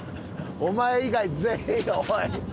お前以外全員おい！